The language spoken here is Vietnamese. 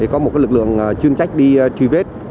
có một lực lượng chuyên trách đi truy vết